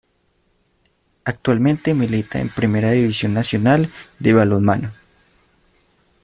Actualmente milita en Primera División Nacional de balonmano.